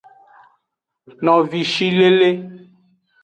Novishilele.